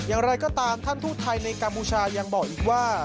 อย่างไรก็ตามท่านทูตไทยในกัมพูชายังบอกอีกว่า